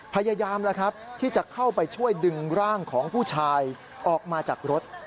พยายามแล้วครับที่จะเข้าไปช่วยดึงร่างของผู้ชายออกมาจากรถ